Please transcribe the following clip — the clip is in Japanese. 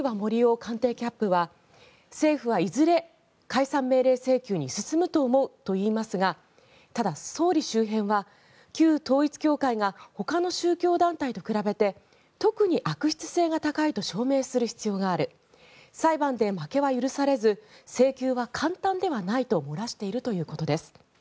官邸キャップは政府はいずれ解散命令請求に進むと思うと言いますがただ、総理周辺は旧統一教会がほかの宗教団体と比べて特に悪質性が高いと証明する必要がある裁判で負けは許されず請求は簡単ではないと漏らしているということです。